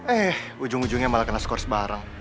eh ujung ujungnya malah kena skor sebarang